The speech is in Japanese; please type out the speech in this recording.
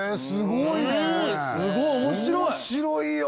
すごい面白い！